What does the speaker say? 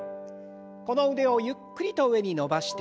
この腕をゆっくりと上に伸ばして。